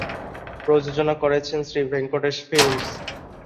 প্রযোজনা করছেন শ্রী ভেঙ্কটেশ ফিল্মস।